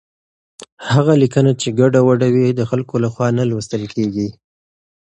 هغه لیکنه چې ګډوډه وي، خلک نه لوستل کېږي.